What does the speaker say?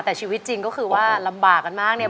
แต่ชีวิตจริงก็คือว่าลำบากกันมากเนี่ย